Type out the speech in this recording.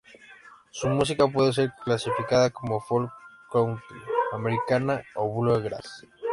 Su música puede ser clasificada como folk, "country" americana o "bluegrass".